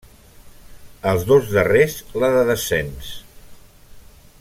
Els dos darrers la de descens.